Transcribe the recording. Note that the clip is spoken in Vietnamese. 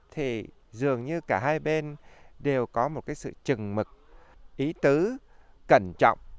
thì dường như cả hai bên đều có một cái sự trừng mực ý tứ cẩn trọng